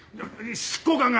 執行官が。